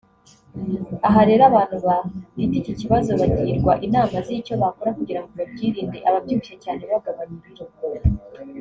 Aha rero abantu bafite iki kibazo bagirwa inama z’icyo bakora kugira ngo babyirinde ababyibushye cyane bagabanya ibiro